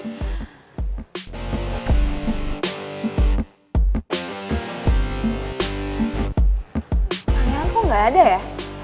pangeran kok nggak ada ya